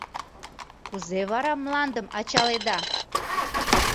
Кузе вара мландым ачаледа?